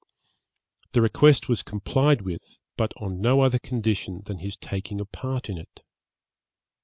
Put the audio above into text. The request was complied with, but on no other condition than his taking a part in it.